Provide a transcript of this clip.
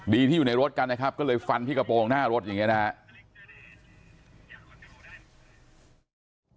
ที่อยู่ในรถกันนะครับก็เลยฟันที่กระโปรงหน้ารถอย่างนี้นะครับ